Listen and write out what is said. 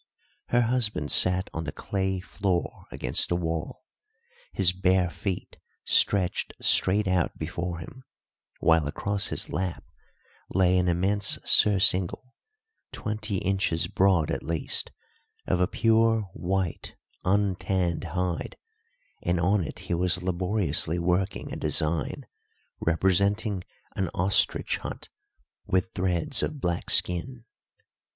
Her husband sat on the clay floor against the wall, his bare feet stretched straight out before him, while across his lap lay an immense surcingle, twenty inches broad at least, of a pure white, untanned hide; and on it he was laboriously working a design representing an ostrich hunt, with threads of black skin.